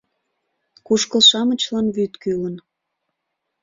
Кушкыл-шамычлан вӱд кӱлын.